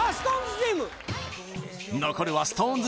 チーム残るはＳｉｘＴＯＮＥＳ